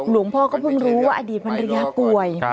หลวงพ่อก็เพิ่งรู้ว่าอดีตพันธุ์เรียกป่วย